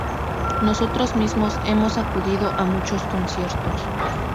nosotros mismos hemos acudido a muchos conciertos